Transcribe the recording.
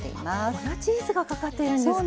粉チーズがかかっているんですか。